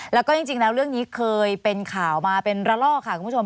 แล้วก็จริงแล้วเรื่องนี้เคยเป็นข่าวมาเป็นระลอกค่ะคุณผู้ชม